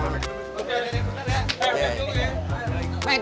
semua ya cepet cepet ya